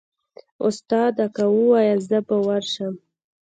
استاده که واياست زه به ورسم.